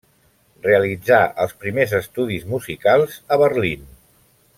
Realitzà els primers estudis musicals a Berlín.